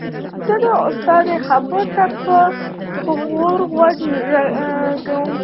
زه د استاد خبرو ته په غور غوږ ږدم.